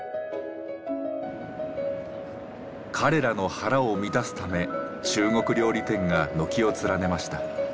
彼らの腹を満たすため中国料理店が軒を連ねました。